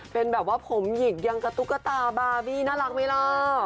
เป็นแบบว่าผมหยิกยังกับตุ๊กตาบาร์บี้น่ารักไหมล่ะ